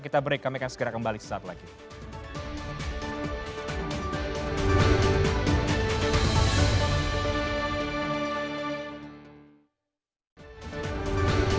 kita break kami akan segera kembali setelah itu